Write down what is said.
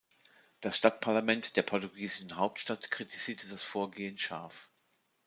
Das Stadtparlament der portugiesischen Hauptstadt kritisierte das Vorgehen scharf.